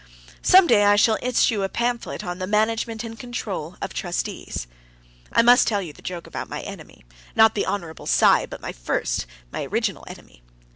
Some day I shall issue a pamphlet on the "Management and Control of Trustees." I must tell you the joke about my enemy not the Hon. Cy, but my first, my original enemy.